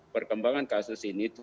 perkembangan kasus ini